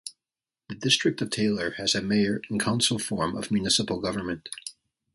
The District of Taylor has a Mayor and Council form of municipal government.